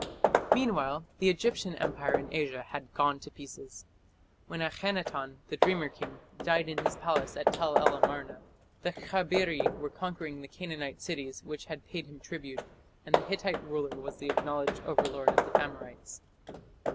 Meanwhile the Egyptian empire in Asia had gone to pieces. When Akhenaton, the dreamer king, died in his palace at Tell el Amarna, the Khabiri were conquering the Canaanite cities which had paid him tribute, and the Hittite ruler was the acknowledged overlord of the Amorites.